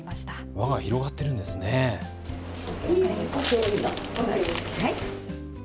輪が広がってるんですね。